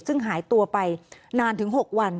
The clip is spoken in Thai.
ซึ่งหายตัวไปนานถึง๖วัน